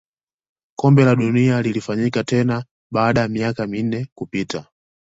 kombe la dunia lilifanyika tena baada ya miaka minne kupita